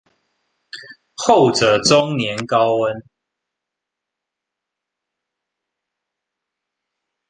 後者終年高溫